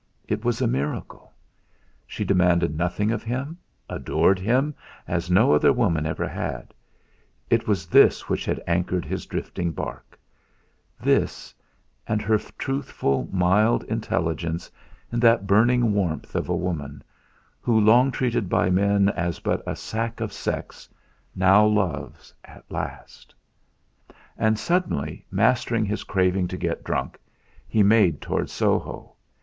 It was a miracle. She demanded nothing of him, adored him, as no other woman ever had it was this which had anchored his drifting barque; this and her truthful mild intelligence, and that burning warmth of a woman, who, long treated by men as but a sack of sex, now loves at last. And suddenly, mastering his craving to get drunk, he made towards Soho.